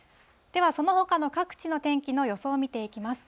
では、そのほかの各地の天気の予想を見ていきます。